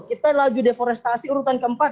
kita laju deforestasi urutan keempat